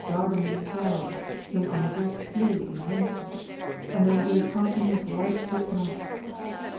Dardan the Proud, whom Amadis slew in Windsor, and they will be a company of right good knights.